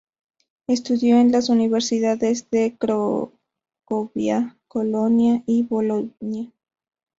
Estudió en las universidades de Cracovia, Colonia y Bolonia.